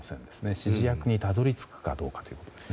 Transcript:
指示役にたどり着くかどうかですね。